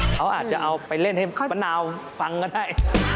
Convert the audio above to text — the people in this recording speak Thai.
เขาอาจจะเอาไปเล่นให้มะนาวฟังก็ได้